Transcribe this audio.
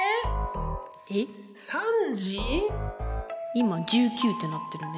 今１９ってなってるね。